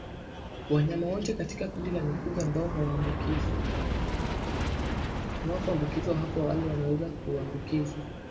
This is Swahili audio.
Wanyama wote katika kundi la mifugo ambao hawakuambukizwa hapo awali wanaweza kuambukizwa